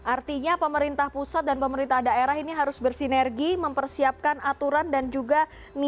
artinya pemerintah pusat dan pemerintah daerah ini harus bersinergi mempersiapkan aturan dan juga niatnya